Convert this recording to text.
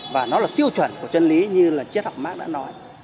và nó là tiêu chuẩn của chân lý như là chiết học mác đã nói